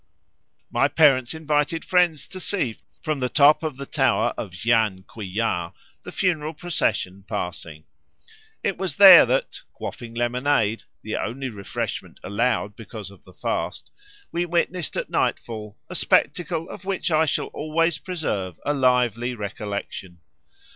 "My parents invited friends to see, from the top of the tower of Jeanne Couillard, the funeral procession passing. It was there that, quaffing lemonade the only refreshment allowed because of the fast we witnessed at nightfall a spectacle of which I shall always preserve a lively recollection.